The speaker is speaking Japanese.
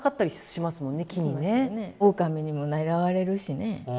オオカミにも狙われるしね。